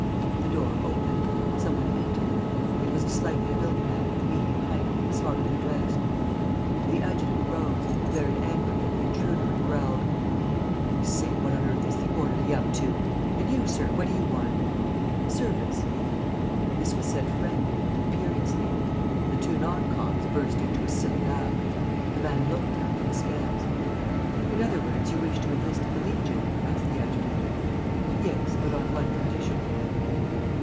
The door opened. Some one entered. It was a slightly built man, of medium height, smartly dressed. The adjutant rose, glared angrily at the intruder and growled: "I say, what on earth is the orderly up to? ... And you, sir, what do you want?" "Service." This was said frankly, imperiously. The two non coms burst into a silly laugh. The man looked at them askance. "In other words, you wish to enlist in the Legion?" asked the adjutant. "Yes, but on one condition."